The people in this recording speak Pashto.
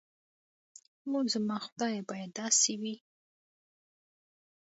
اوح زما خدايه بايد داسې وي.